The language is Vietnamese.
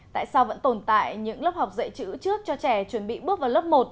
tại sao vẫn tồn tại những lớp học dạy chữ trước cho trẻ chuẩn bị bước vào lớp một